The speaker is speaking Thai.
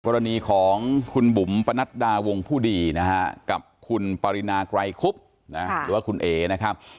กรณีของคุณบุ๋มปนัดดาวงผู้ดีนะฮะกับคุณปรินาไกรคุบหรือว่าคุณเอ๋นะครับ